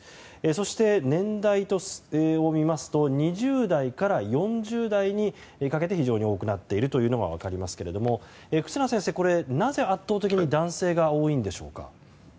そして、年代を見ますと２０代から４０代にかけて非常に多くなっているのが分かりますけども忽那先生、これはなぜ圧倒的に男性が多いんでしょうか？